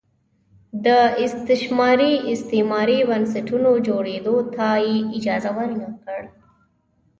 د استثماري استعماري بنسټونو جوړېدو ته یې اجازه ور نه کړه.